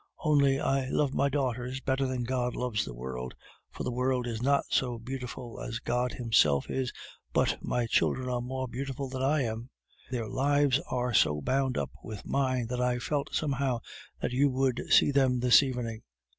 Only, I love my daughters better than God loves the world, for the world is not so beautiful as God Himself is, but my children are more beautiful than I am. Their lives are so bound up with mine that I felt somehow that you would see them this evening.